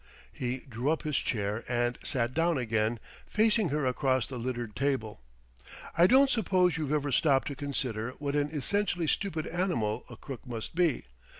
He drew up his chair and sat down again, facing her across the littered table. "I don't suppose you've ever stopped to consider what an essentially stupid animal a crook must be.